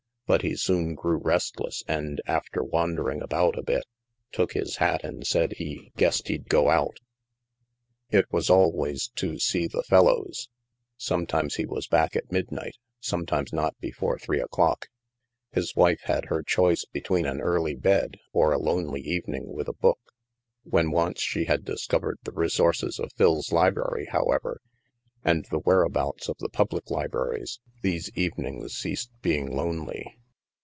But he soon grew restless and, after wandering about a bit, took his hat and said he " guessed he'd go out." It was always " to s^ the fellows." Sometimes he was back at midnight, THE MAELSTROM 133 sometimes not before three o'clock. His wife had her choice between an early bed, or a lonely evening with a book. When once she had discovered the resources of Phil's library, however, and the where abouts of the public libraries, these evenings ceased being lonely.